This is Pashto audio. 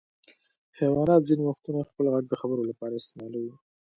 حیوانات ځینې وختونه خپل غږ د خبرو لپاره استعمالوي.